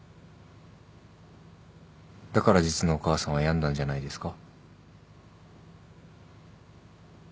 だから実のお母さんは病んだんじゃないですか？